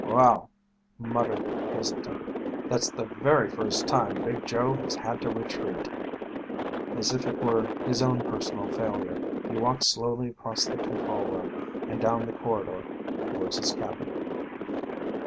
"Well," muttered Heselton, "that's the very first time Big Joe has ever had to retreat." As if it were his own personal failure, he walked slowly across the control room and down the corridor towards his cabin.